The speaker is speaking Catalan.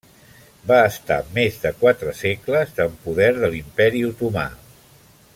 Va estar més de quatre segles en poder de l'Imperi Otomà.